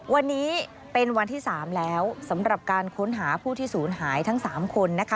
วันนี้เป็นวันที่๓แล้วสำหรับการค้นหาผู้ที่ศูนย์หายทั้ง๓คนนะคะ